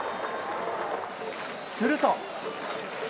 すると。